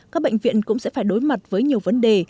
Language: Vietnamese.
các bệnh viện cũng sẽ phải đối mặt với nhiều vấn đề